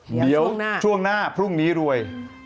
เดี๋ยวช่วงหน้าพรุ่งนี้รวย